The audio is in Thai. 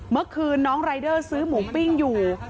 เมื่อคืนน้องรายเดอร์ซื้อหมูปิ้งอยู่